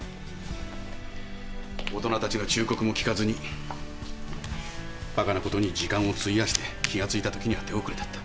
大人たちの忠告も聞かずにバカなことに時間を費やして気が付いたときには手遅れだった。